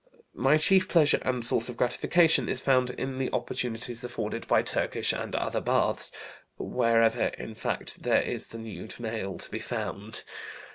My chief pleasure and source of gratification is found in the opportunities afforded by Turkish and other baths; wherever, in fact, there is the nude male to be found.